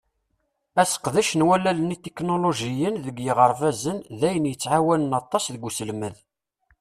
Aseqdec n wallalen itiknulujiyen deg yiɣerbazen d ayen yettƐawanen aṭas deg uselmed.